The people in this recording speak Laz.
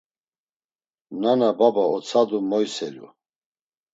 Nana baba otsadu moyselu.